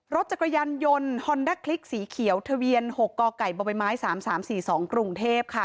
รถจักรยานยนต์ฮอนด้าคลิกสีเขียวทะเบียน๖กกบไม้๓๓๔๒กรุงเทพค่ะ